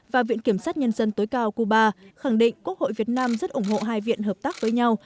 và viện kiểm sát nhân dân tối cao cuba khẳng định quốc hội việt nam rất ủng hộ hai viện hợp tác với nhau